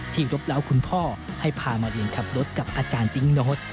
รบเล้าคุณพ่อให้พามาเรียนขับรถกับอาจารย์ติ๊งโน้ต